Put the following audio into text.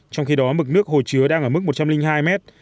trong khi đó mực nước hồ chứa đang ở mức một trăm linh hai mét